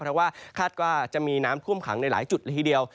เพราะว่าคาดว่าจะมีน้ำท่วมขังในหลายจุดละทีเดียว